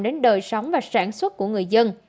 đến đời sống và sản xuất của người dân